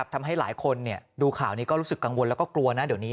ทำให้หลายคนดูข่าวนี้ก็รู้สึกกังวลและกลัว